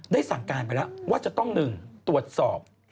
สั่งการไปแล้วว่าจะต้อง๑ตรวจสอบ